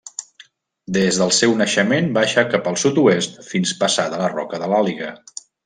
Des del seu naixement baixa cap al sud-oest fins passada la Roca de l'Àliga.